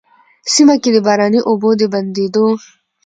سيمه کي د باراني اوبو د بندېدو،